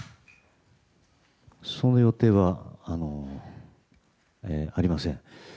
その予定はありません。